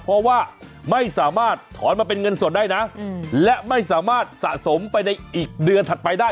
เพราะว่าไม่สามารถถอนมาเป็นเงินสดได้นะและไม่สามารถสะสมไปในอีกเดือนถัดไปได้